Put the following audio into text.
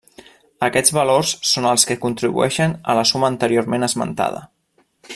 Aquests valors són els que contribueixen a la suma anteriorment esmentada.